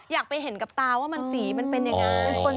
ยากไปเห็นกับตาว่ามันสีบ้างปรุงเป็นยังไง